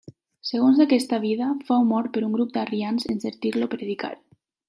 Segons aquesta vida, fou mort per un grup d'arrians en sentir-lo predicar.